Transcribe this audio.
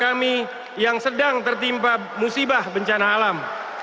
kami yang sedang tertimpa musibah bencana alam